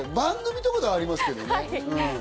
番組とかではありますけどね。